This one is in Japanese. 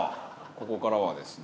ここからはですね